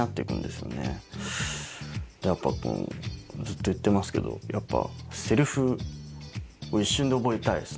でやっぱこうずっと言ってますけどやっぱ。